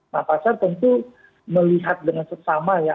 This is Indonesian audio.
nah pasar tentu melihat dengan sesama ya